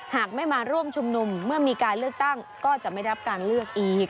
หากไม่มาร่วมชุมนุมเมื่อมีการเลือกตั้งก็จะไม่รับการเลือกอีก